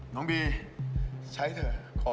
น้องบีใช้เถอะ